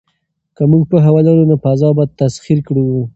که موږ پوهه ولرو نو فضا به تسخیر کړو.